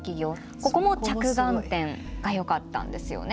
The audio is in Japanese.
ここも着眼点がよかったんですよね。